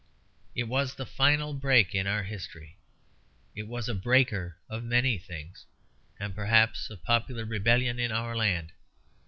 It was the final break in our history; it was a breaker of many things, and perhaps of popular rebellion in our land.